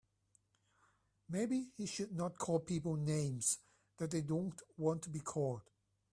Maybe he should not call people names that they don't want to be called.